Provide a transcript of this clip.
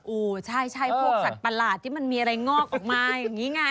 โอ้ใช่พวกสัตว์ประหลาดที่มันมีอะไรงอกออกมาอย่างนี้ไง